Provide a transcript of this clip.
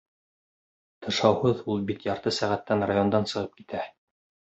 Тышауһыҙ ул бит ярты сәғәттән райондан сығып китә!